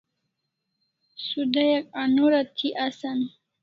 Sudayak anorÃ thi asan